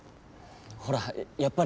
ほらやっぱり。